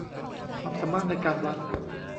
ความสามารถในการวัด